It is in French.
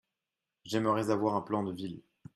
J’aimerais avoir un plan de ville.